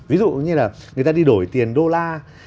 ví dụ như là người ta đi đổi tiền đô la